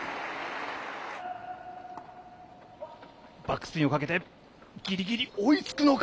バックスピンをかけてぎりぎり追いつくのか！